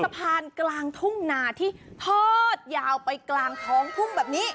กลางทุ่งนาที่ทอดยาวไปกลางท้องทุ่งแบบนี้